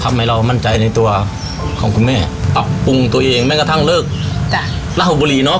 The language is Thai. ทำให้เรามั่นใจในตัวของคุณแม่ปรับปรุงตัวเองแม้กระทั่งเลิกจากระหบุรีเนอะ